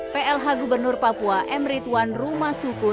plh gubernur papua